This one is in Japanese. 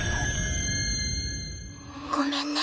ごめんね。